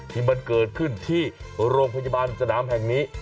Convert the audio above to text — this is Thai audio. ที่มันเกิดขึ้นที่โรงพยาบาลสนามแห่งนี้